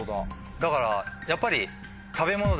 だからやっぱり。